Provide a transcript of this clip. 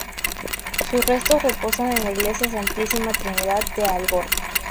Sus restos reposan en la iglesia Santísima Trinidad de Algorta.